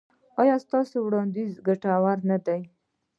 ایا ستاسو وړاندیز ګټور نه دی؟